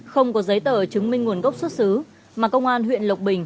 không có giấy tờ chứng minh nguồn gốc xuất xứ mà công an huyện lộc bình